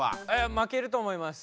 負けると思います。